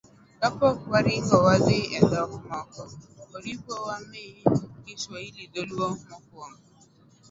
Ka pok waringo wadhi e dhok moko, oripo wamii Kiswahili thuolo mokwongo.